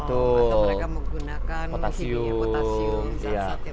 atau mereka menggunakan potasium